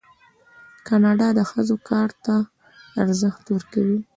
کاناډا د ښځو کار ته ارزښت ورکوي.